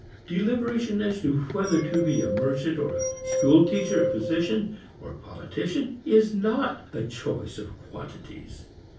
Deliberation as to whether to be a merchant or a school teacher, a physician or a politician is not a choice of quantities.